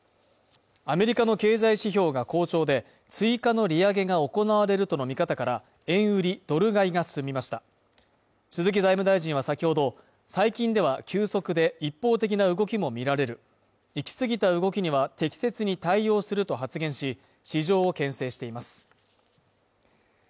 アメリカの経済指標が好調で追加の利上げが行われるとの見方から円売り・ドル買いが進みました鈴木財務大臣は先ほど、最近では急速で一方的な動きも見られる行き過ぎた動きには適切に対応すると発言し、市場を牽制しています。